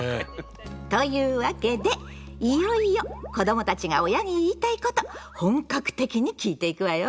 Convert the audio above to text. というわけでいよいよ子どもたちが親に言いたいこと本格的に聞いていくわよ！